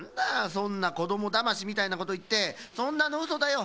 そんなこどもだましみたいなこといってそんなのうそだよ。